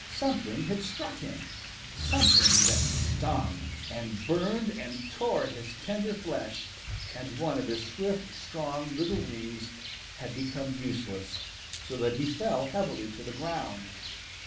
Something had struck him, something that stung, and burned and tore his tender flesh, and one of his swift, strong, little wings had become useless, so that he fell heavily to the ground.